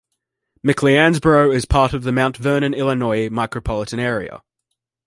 McLeansboro is part of the Mount Vernon, Illinois micropolitan area.